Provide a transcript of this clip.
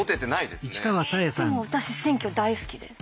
でも私選挙大好きです。